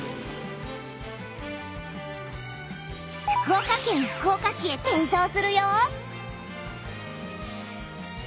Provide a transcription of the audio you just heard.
福岡県福岡市へ転送するよ！